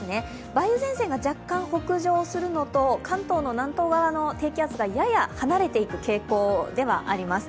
梅雨前線が若干北上するのと、関東の南東側の低気圧がやや離れていく傾向ではあります。